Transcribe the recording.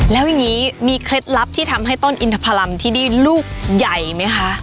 แล้วอย่างนี้มีเคล็ดลับที่ทำให้ต้นอินทพรรมที่นี่ลูกใหญ่ไหมคะ